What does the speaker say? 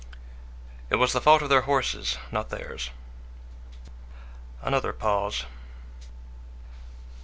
"It was the fault of their horses, not theirs." Another pause.